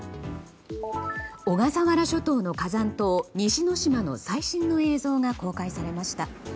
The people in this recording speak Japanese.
小笠原諸島の火山島西之島の最新の映像が公開されました。